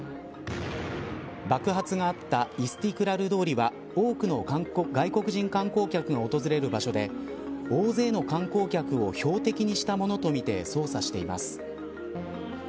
爆発があったイスティクラル通りは多くの外国人観光客が訪れる場所で大勢の観光客を標的にしたものとみて捜査しています。